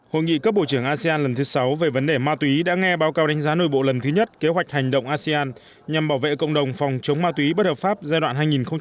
hội nghị cấp bộ trưởng asean lần thứ sáu về vấn đề ma túy đã nghe báo cáo đánh giá nội bộ lần thứ nhất kế hoạch hành động asean nhằm bảo vệ cộng đồng phòng chống ma túy bất hợp pháp giai đoạn hai nghìn một mươi chín hai nghìn hai mươi năm